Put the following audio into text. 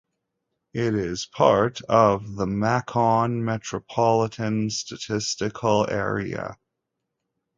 It is part of the Macon Metropolitan Statistical Area.